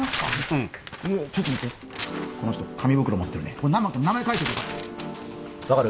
うんちょっと待ってこの人紙袋持ってるねこれ名前書いてある分かる？